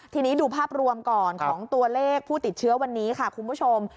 ทีนี้ดูภาพรวมก่อนของตัวเลขผู้ติดเชื้อวันนี้ค่ะคุณผู้ชม